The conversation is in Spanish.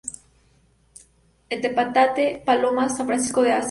El Tepetate, Palomas, San Francisco de Asís.